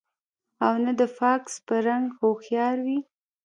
او نۀ د فاکس پۀ رنګ هوښيار وي